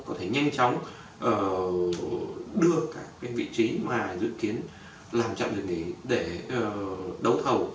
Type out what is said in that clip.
có thể nhanh chóng đưa các cái vị trí mà dự kiến làm trạm dừng nghỉ để đấu thầu